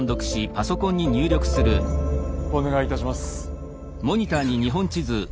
お願いいたします。